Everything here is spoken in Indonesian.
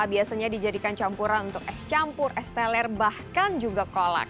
biasanya dijadikan campuran untuk es campur es teler bahkan juga kolak